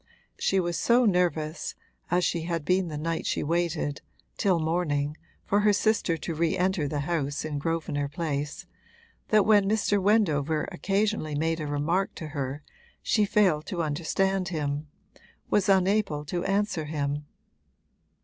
She was so nervous (as she had been the night she waited, till morning, for her sister to re enter the house in Grosvenor Place) that when Mr. Wendover occasionally made a remark to her she failed to understand him, was unable to answer him.